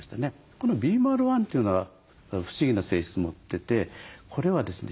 このＢｍａｌ１というのは不思議な性質持っててこれはですね